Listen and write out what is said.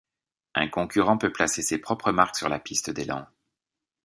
Un concurrent peut placer ses propres marques sur la piste d'élan.